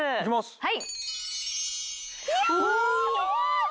はい。